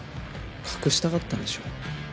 隠したかったんでしょ。